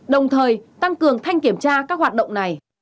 đồng thời tăng cường thanh kiểm tra các hoạt động này